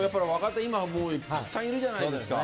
最近は、たくさんいるじゃないですか。